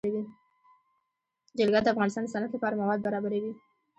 جلګه د افغانستان د صنعت لپاره مواد برابروي.